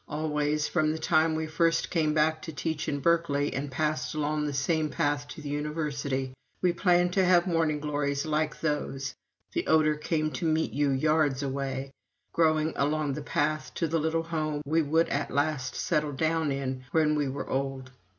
Always, from the time we first came back to teach in Berkeley and passed along that same path to the University, we planned to have morning glories like those the odor came to meet you yards away growing along the path to the little home we would at last settle down in when we were old.